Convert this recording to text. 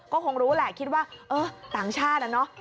ก็คงรู้แหละคิดว่าเออต่างชาติอะเนาะ